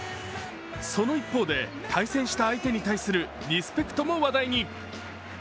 その一方で対戦した相手に対するリスペクトも話題に。